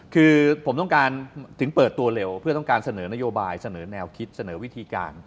คือผมต้องการถึงเปิดตัวเร็วเพื่อต้องการเสนอนโยบายเสนอแนวคิดเสนอวิธีการ